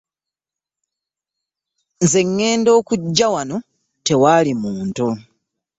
Nze ŋŋenda okujja wano tewaali muntu.